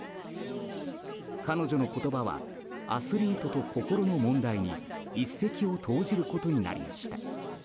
彼女の言葉はアスリートと心の問題に一石を投じることになりました。